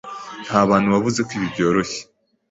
Ntabantu wavuze ko ibi byoroshye.